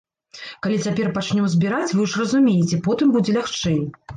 Калі цяпер пачнём збіраць, вы ж разумееце, потым будзе лягчэй.